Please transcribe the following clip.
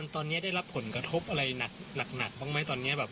ตอนนี้ได้รับผลกระทบอะไรหนักบ้างไหมตอนนี้แบบ